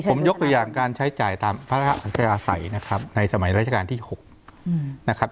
ผมยกตัวอย่างการใช้จ่ายตามพระราชอัญชาอาศัยนะครับในสมัยราชการที่๖นะครับ